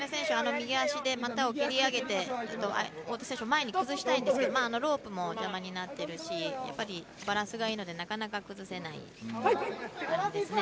右足で股を蹴り上げて太田選手を前に崩したいんですけどロープも邪魔になっているしバランスがいいのでなかなか崩せない感じですね。